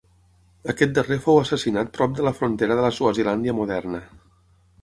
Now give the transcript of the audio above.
Aquest darrer fou assassinat prop de la frontera de la Swazilàndia moderna.